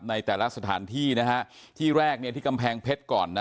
ในแต่ละสถานที่นะฮะที่แรกเนี่ยที่กำแพงเพชรก่อนนะ